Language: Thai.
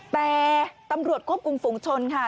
แต่ตำรวจควบคุมฝุงชนค่ะ